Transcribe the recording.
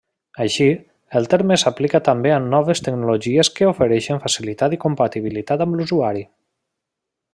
Així, el terme s'aplica també a noves tecnologies que ofereixen facilitat i compatibilitat amb l'usuari.